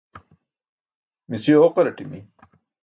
Mici ooqaraṭimi.